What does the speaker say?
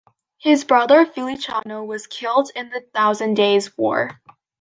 His brother Feliciano was killed in the Thousand Days' War.